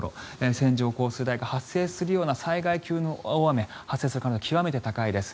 線状降水帯が発生するような災害級の大雨、発生する可能性極めて高いです。